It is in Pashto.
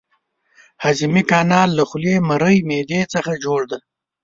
هضمي کانال له خولې، مرۍ، معدې څخه جوړ دی.